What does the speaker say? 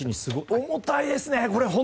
重たいですね。